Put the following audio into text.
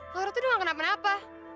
laura tuh udah gak kenapa napa